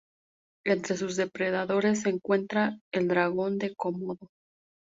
Entre sus depredadores se encuentra el dragón de Komodo.